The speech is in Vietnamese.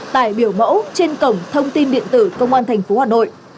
tại biểu mẫu trên cổng thông tin điện tử công an thành phố hà nội